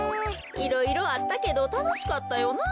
いろいろあったけどたのしかったよな。